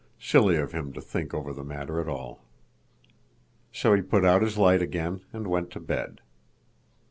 Silly of him to think over the matter at all. So he put out his light again and went to bed.